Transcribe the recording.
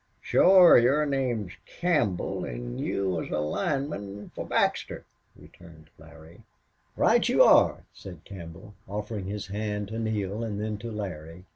"Shore. Your name's Campbell an' you was a lineman for Baxter," returned Larry. "Right you are," said Campbell, offering his hand to Neale, and then to Larry.